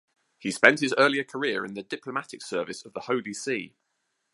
He spent his earlier career in the diplomatic service of the Holy See.